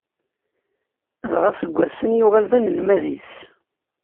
Dɣa seg wass-n yuɣal d anelmad-is.